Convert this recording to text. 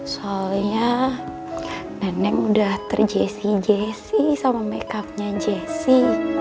soalnya nenek udah ter jessy jessy sama make upnya jessy